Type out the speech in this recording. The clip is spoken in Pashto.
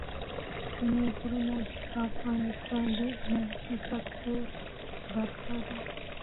ستوني غرونه د افغانستان د انرژۍ سکتور برخه ده.